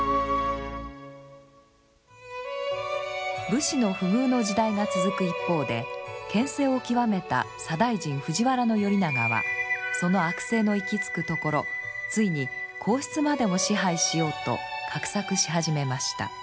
武士の不遇の時代が続く一方で権勢を極めた左大臣藤原頼長はその悪政の行き着くところついに皇室までも支配しようと画策し始めました。